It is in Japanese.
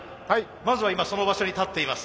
まずは今その場所に立っています。